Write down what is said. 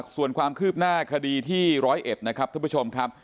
ส่วนความคืบหน้าคดีที่ร้อยเอ็ดนะครับทุกผู้ชมครับ